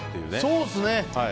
そうですね。